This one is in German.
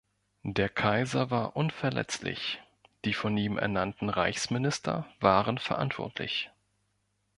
Der Kaiser war unverletzlich, die von ihm ernannten Reichsminister waren verantwortlich.